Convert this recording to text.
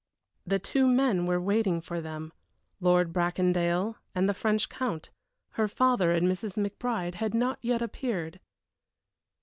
The two men were waiting for them Lord Bracondale and the French Count her father and Mrs. McBride had not yet appeared.